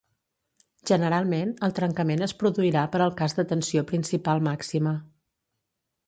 Generalment el trencament es produirà per al cas de tensió principal màxima.